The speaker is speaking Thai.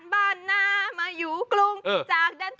แก้ปัญหาผมร่วงล้านบาท